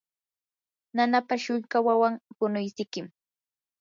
nanapa shulka wawan punuysikim.